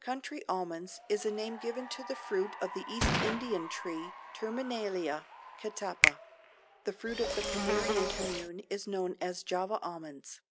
Country almonds is a name given to the fruit of the East Indian tree Terminalia Catappa. The fruit of Canarium commune is known as Java almonds.